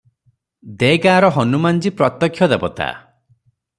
ଦେ ଗାଁର ହନୁମାନ୍ ଜୀ ପ୍ରତ୍ୟକ୍ଷ ଦେବତା ।